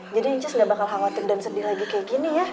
jadi inces ga bakal khawatir dan sedih lagi kayak gini ya